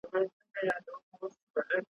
درباندي راسي دېوان په ډله ,